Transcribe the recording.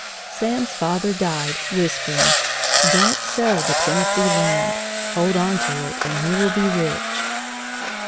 Sam's father died, whispering: "Don't sell the Tennessee land! Hold on to it, and you will all be rich!"